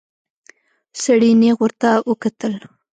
سړي نيغ ورته وکتل.